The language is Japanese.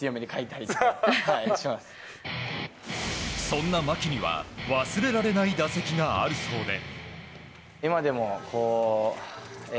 そんな牧には忘れられない打席があるそうで。